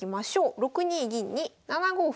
６二銀に７五歩。